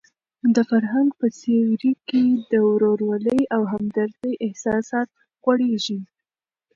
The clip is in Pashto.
د فرهنګ په سیوري کې د ورورولۍ او همدردۍ احساسات غوړېږي.